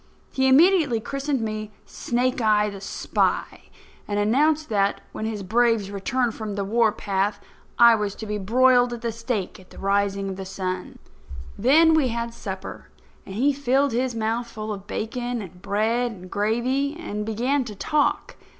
He immediately christened me Snake eye, the Spy, and announced that, when his braves returned from the warpath, I was to be broiled at the stake at the rising of the sun. Then we had supper; and he filled his mouth full of bacon and bread and gravy, and began to talk.